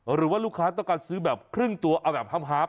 หรือว่าลูกค้าต้องการซื้อแบบครึ่งตัวเอาแบบฮาร์ฟ